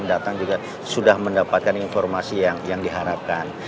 yang datang juga sudah mendapatkan informasi yang diharapkan